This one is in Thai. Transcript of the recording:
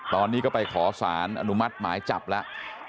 ตอนนี้ก็ไปขอสารอนุมัติหมายจับแล้ว